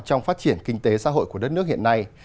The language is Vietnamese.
trong phát triển kinh tế xã hội của đất nước hiện nay